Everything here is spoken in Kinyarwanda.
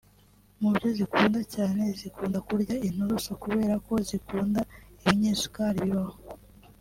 Mu byo zikunda cyane zikunda kurya inturusukubera ko zikunda ibinyesukari bibabo